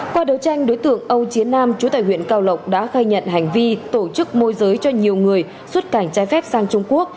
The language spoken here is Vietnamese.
qua đấu tranh đối tượng âu chiến nam chú tại huyện cao lộc đã khai nhận hành vi tổ chức môi giới cho nhiều người xuất cảnh trái phép sang trung quốc